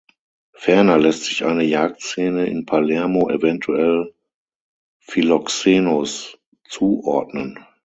Ferner lässt sich eine Jagdszene in Palermo eventuell Philoxenos zuordnen.